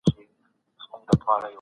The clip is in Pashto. کله چې د سبا غم نه وي خوب خوږ وي.